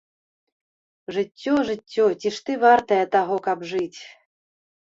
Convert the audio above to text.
Жыццё, жыццё, ці ж ты вартае таго, каб жыць?